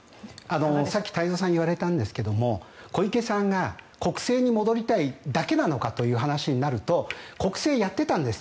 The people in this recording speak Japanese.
さっき太蔵さんが言われたんですが小池さんが国政に戻りたいだけなのかという話になると国政をやっていたんです。